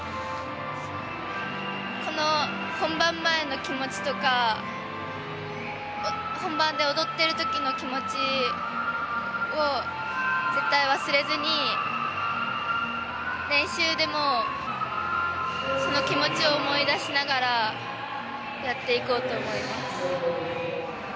この本番前の気持ちとか本番で踊っている時の気持ちを絶対忘れずに、練習でもその気持ちを思い出しながらやっていこうと思います。